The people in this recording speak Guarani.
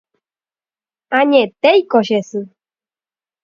Añetéiko che sy.